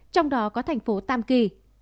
trong đó có thành phố tam kỳ